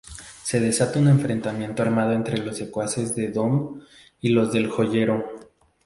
Se desata un enfrentamiento armado entre los secuaces de Doom y los del Joyero.